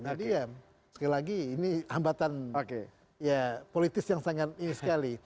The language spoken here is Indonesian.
jadi ya sekali lagi ini hambatan ya politis yang sangat ini sekali